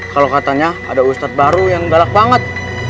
kalau katanya ada ustadz baru yang galak banget